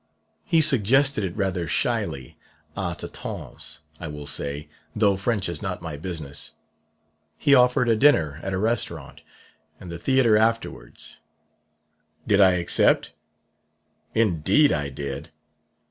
He suggested it rather shyly; à tâtons, I will say though French is not my business. He offered a dinner at a restaurant, and the theatre afterwards. Did I accept? Indeed I did.